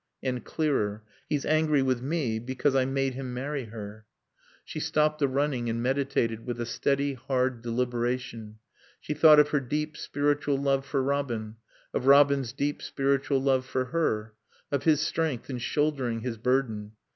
And clearer. "He's angry with me because I made him marry her." She stopped the running and meditated with a steady, hard deliberation. She thought of her deep, spiritual love for Robin; of Robin's deep spiritual love for her; of his strength in shouldering his burden.